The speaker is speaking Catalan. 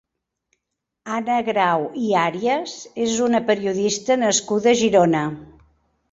Anna Grau i Àrias és una periodista nascuda a Girona.